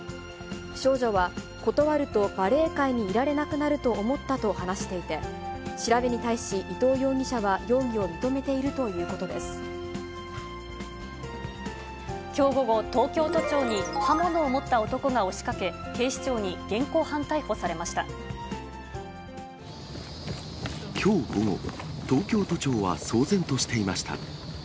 少女は断るとバレエ界にいられなくなると思ったと話していて、調べに対し伊藤容疑者は、容疑をきょう午後、東京都庁に刃物を持った男が押しかけ、警視庁に現行犯逮捕されまきょう午後、東京都庁は騒然としていました。